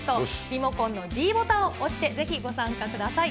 リモコンのｄボタンを押してぜひご参加ください。